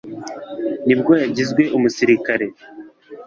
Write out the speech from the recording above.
ni bwo yagizwe umusirikare,